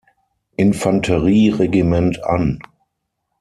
Infanterie-Regiment an.